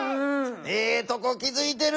ええとこ気づいてる。